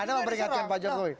anda memperingatkan pak jokowi